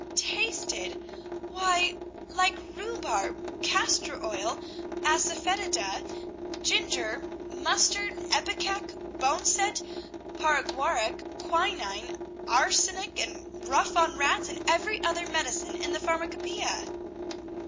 "Tasted! why, like rhubarb, castor oil, assafoetida, ginger, mustard, epicac, boneset, paregoric, quinine, arsenic, rough on rats, and every other hideous medicine in the pharmacopoeia."